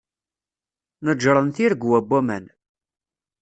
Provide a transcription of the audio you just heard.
Neǧren tiregwa n waman.